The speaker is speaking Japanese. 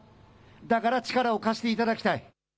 だから力を貸していただきたい。